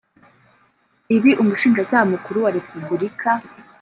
Ibi Umushinjacyaha Mukuru wa Repubulika